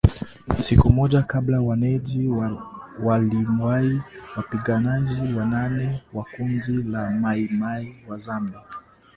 Siku moja kabla wanajeshi waliwaua wapiganaji wanane wa kundi la Mai Mai Mazembe